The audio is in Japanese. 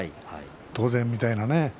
当然みたいなね。